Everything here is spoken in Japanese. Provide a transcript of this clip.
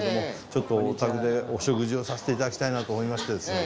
ちょっとおたくでお食事をさせて頂きたいなと思いましてですね。